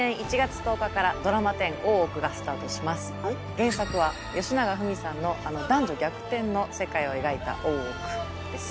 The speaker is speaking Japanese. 原作はよしながふみさんのあの男女逆転の世界を描いた大奥です。